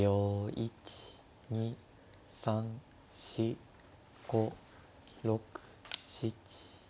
１２３４５６７。